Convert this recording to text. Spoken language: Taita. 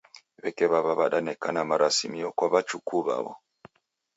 W'eke w'aw'a w'adanekana marasimio kwa w'achukuu w'aw'o